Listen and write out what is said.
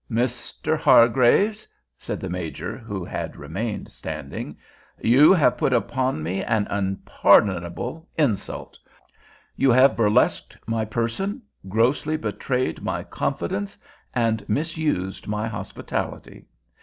"Mr. Hargraves," said the Major, who had remained standing, "you have put upon me an unpardonable insult. You have burlesqued my person, grossly betrayed my confidence, and misused my hospitality.